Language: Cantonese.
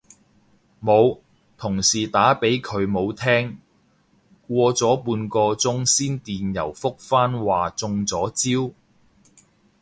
冇，同事打畀佢冇聽，過咗半個鐘先電郵覆返話中咗招